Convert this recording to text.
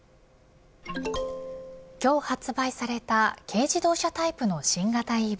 今日発売された軽自動車タイプの新型ＥＶ。